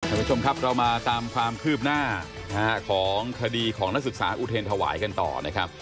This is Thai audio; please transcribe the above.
คุณผู้ชมครับเรามาตามความคืบหน้าของคดีของนักศึกษาอุเทรนธวายกันต่อนะครับ